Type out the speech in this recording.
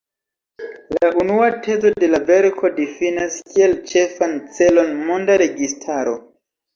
La unua tezo de la verko difinas kiel ĉefan celon monda registaro.